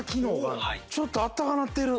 ちょっとあったかなってる。